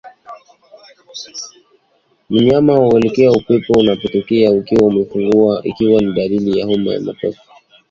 Mnyama huelekea upepo unakotokea akiwa amefungua pua ikiwa ni dalili ya homa ya mapafu